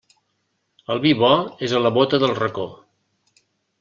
El vi bo és a la bóta del racó.